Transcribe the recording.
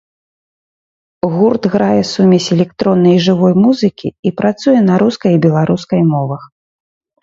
Гурт грае сумесь электроннай і жывой музыкі і працуе на рускай і беларускай мовах.